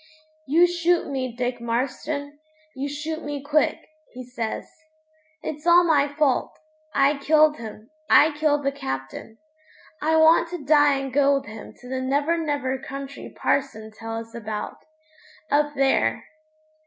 'You shoot me, Dick Marston; you shoot me quick,' he says. 'It's all my fault. I killed him I killed the Captain. I want to die and go with him to the never never country parson tell us about up there!'